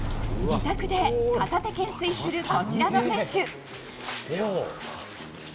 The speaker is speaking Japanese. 自宅で片手懸垂するこちらの選手。